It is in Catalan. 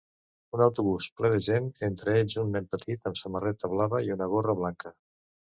Un autobús ple de gent, entre ells un nen petit amb samarreta blava i una gorra blanca.